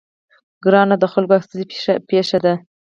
کرنه د خلکو اصلي پیشه ده.